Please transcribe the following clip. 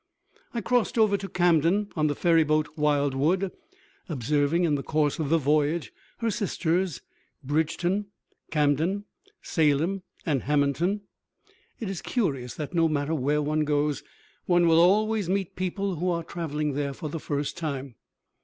I crossed over to Camden on the ferryboat Wildwood, observing in the course of the voyage her sisters, Bridgeton, Camden, Salem and Hammonton. It is curious that no matter where one goes, one will always meet people who are traveling there for the first time.